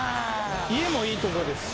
家もいいとこですし。